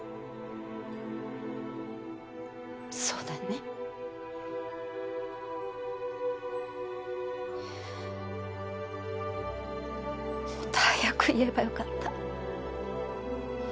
そうだねもっと早く言えばよかった